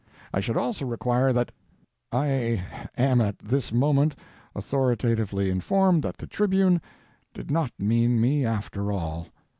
I should also require that I am at this moment authoritatively informed that "The Tribune" did not mean me, after all.